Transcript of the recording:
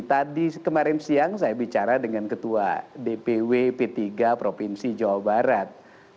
tadi kemarin siang saya bicara dengan ketua dpw p tiga provinsi jawa barat